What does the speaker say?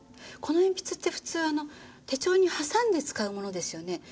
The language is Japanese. この鉛筆って普通あの手帳に挟んで使うものですよね？